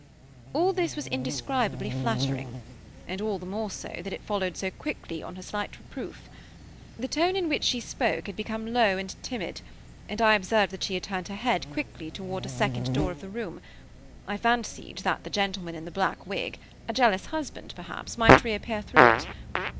All this was indescribably flattering, and all the more so that it followed so quickly on her slight reproof. The tone in which she spoke had become low and timid, and I observed that she turned her head quickly towards a second door of the room; I fancied that the gentleman in the black wig, a jealous husband perhaps, might reappear through it.